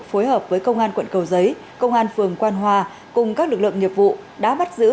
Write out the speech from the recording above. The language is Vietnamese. phối hợp với công an quận cầu giấy công an phường quan hòa cùng các lực lượng nghiệp vụ đã bắt giữ